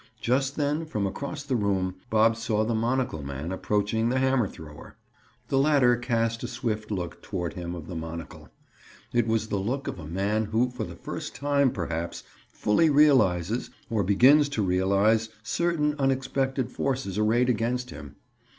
Just then from across the room, Bob saw the monocle man approaching the hammer thrower. The latter cast a swift look toward him of the monocle. It was the look of a man who for the first time, perhaps, fully realizes, or begins to realize certain unexpected forces arrayed against him.